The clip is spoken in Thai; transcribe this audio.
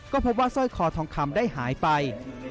ก็พบว่าสร้อยคอทองคำได้หายไป